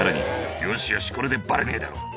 「よしよしこれでバレねえだろう」